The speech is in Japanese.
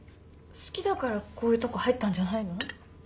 好きだからこういうとこ入ったんじゃないの？